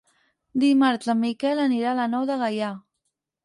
Dimarts en Miquel anirà a la Nou de Gaià.